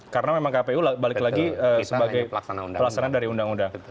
karena memang kpu balik lagi sebagai pelaksanaan dari undang undang